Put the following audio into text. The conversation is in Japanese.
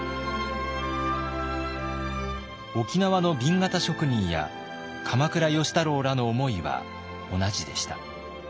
沖縄の紅型職人や鎌倉芳太郎らの思いは同じでした。